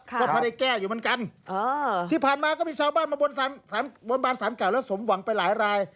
ก็ไม่ได้แก้อยู่เหมือนกันที่ผ่านมาก็มีชาวบ้านมาบนบานสารเก่าแล้วสมหวังไปหลายราย